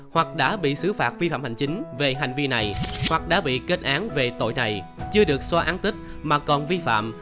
hoặc đã bị xử phạt vi phạm hành chính về hành vi này hoặc đã bị kết án về tội này chưa được xóa án tích mà còn vi phạm